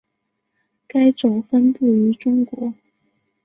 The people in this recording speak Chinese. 该种分布于中国。